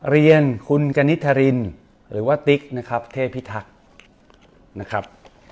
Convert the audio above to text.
เรียนคุณกณิธารินหรือว่าติ๊กนะครับเทพิทักษ์นะครับ